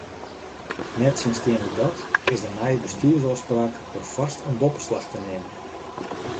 Nettsjinsteande dat is de nije Bestjoersôfspraak perfoarst in boppeslach te neamen.